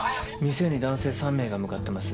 店に男性３名が向かってます。